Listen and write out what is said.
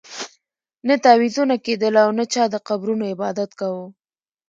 نه تعویذونه کېدل او نه چا د قبرونو عبادت کاوه.